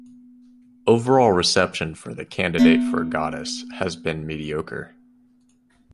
Overall reception for "The Candidate for Goddess" has been mediocre.